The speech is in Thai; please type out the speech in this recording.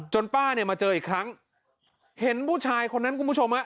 ป้าเนี่ยมาเจออีกครั้งเห็นผู้ชายคนนั้นคุณผู้ชมฮะ